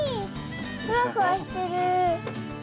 ふわふわしてる。